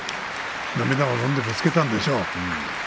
涙をのんでぶつけたんでしょう。